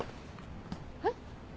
えっ？